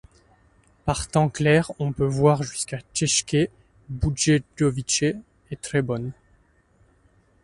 Par temps clair, on peut voir jusqu'à České Budějovice et Třeboň.